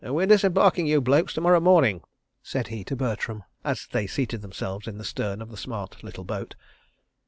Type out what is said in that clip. "We're disembarking you blokes to morrow morning," said he to Bertram, as they seated themselves in the stern of the smart little boat.